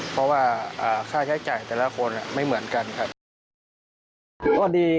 เพราะว่าค่าใช้จ่ายแต่ละคนไม่เหมือนกันครับ